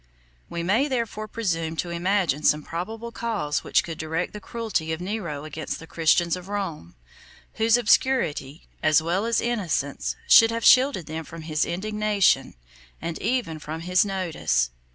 We may therefore presume to imagine some probable cause which could direct the cruelty of Nero against the Christians of Rome, whose obscurity, as well as innocence, should have shielded them from his indignation, and even from his notice.